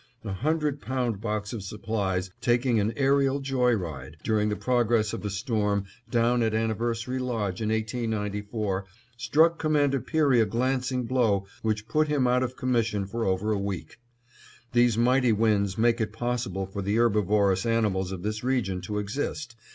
A hundred pound box of supplies, taking an aërial joy ride, during the progress of a storm down at Anniversary Lodge in 1894, struck Commander Peary a glancing blow which put him out of commission for over a week. These mighty winds make it possible for the herbivorous animals of this region to exist.